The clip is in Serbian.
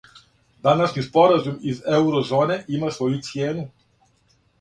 Данашњи споразум из еурозоне има своју цијену.